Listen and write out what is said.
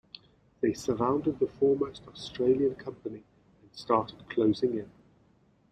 They surrounded the foremost Australian Company and started closing in.